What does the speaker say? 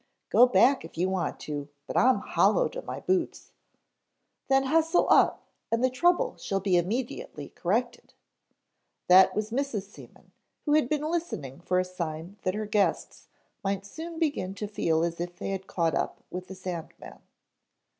"Go back if you want to, but I'm hollow to my boots " "Then hustle up and the trouble shall be immediately corrected." That was Mrs. Seaman who had been listening for a sign that her guests might soon begin to feel as if they had caught up with the sandman.